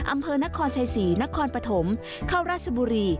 อำเภอนครชัยศรีนครปฐมเข้าราชบุรี